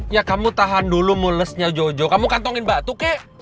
ya kamu tahan dulu mulesnya jojo kamu kantongin batu kek